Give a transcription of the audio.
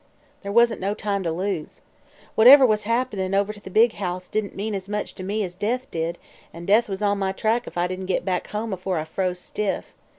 "There wasn't no time to lose. Whatever was happenin' over to the big house didn't mean as much to me as death did, an' death was on my track if I didn't get back home afore I froze stiff.